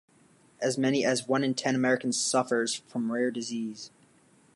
As many as one-in-ten Americans suffers from rare disease.